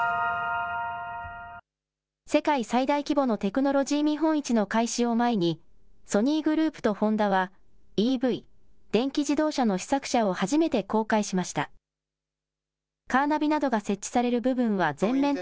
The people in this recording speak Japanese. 世界最大規模のテクノロジー見本市の開始を前に、ソニーグループとホンダは、ＥＶ・電気自動車の試作車を初めて公開しました。